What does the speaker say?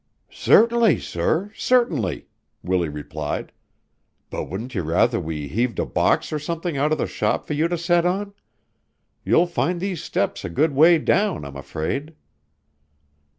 "Certainly, sir! Certainly!" Willie replied. "But wouldn't you rather we heaved a box or something out of the shop for you to set on? You'll find these steps a good way down, I'm afraid."